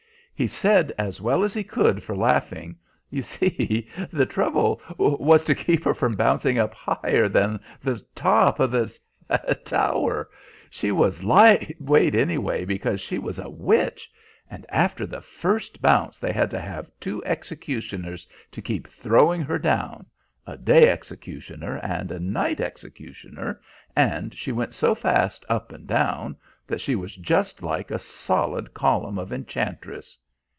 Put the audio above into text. He said, as well as he could for laughing: "You see, the trouble was to keep her from bouncing up higher than the top of the tower. She was light weight, anyway, because she was a witch; and after the first bounce they had to have two executioners to keep throwing her down a day executioner and a night executioner; and she went so fast up and down that she was just like a solid column of enchantress.